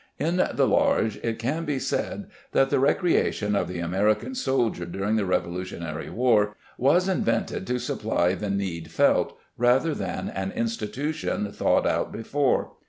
" In the large it can be said that, the recreation of the American soldier during the Revolutionary War, was invented to supply the need felt rather than an institution thought out before.